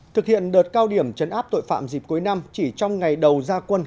thực hiện đợt cao điểm chấn áp tội phạm dịp cuối năm chỉ trong ngày đầu gia quân